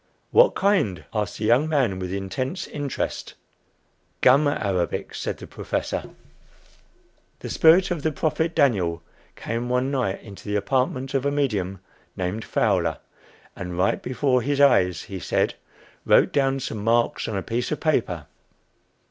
"What kind?" asked the young man with intense interest. "Gum arabic," said the professor. The spirit of the prophet Daniel came one night into the apartment of a medium named Fowler, and right before his eyes, he said, wrote down some marks on a piece of paper.